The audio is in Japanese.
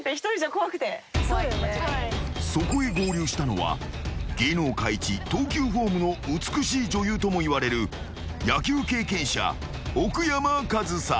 ［そこへ合流したのは芸能界一投球フォームの美しい女優ともいわれる野球経験者奥山かずさ］